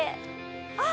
あっ！